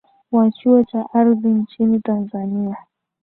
wa chuo cha ardhi nchini tanzania